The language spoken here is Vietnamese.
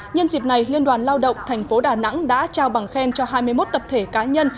nhân dịp này liên đoàn lao động tp đà nẵng đã trao bằng khen cho hai mươi một tập thể cá nhân